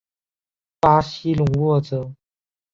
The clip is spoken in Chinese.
巴西隆沃泽。